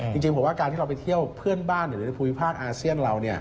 จริงผมว่าการที่เราไปเที่ยวเพื่อนบ้านหรือในภูมิภาคอาเซียนเรา